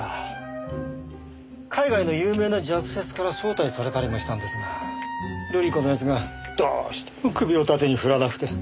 海外の有名なジャズフェスから招待されたりもしたんですが瑠里子の奴がどうしても首を縦に振らなくて。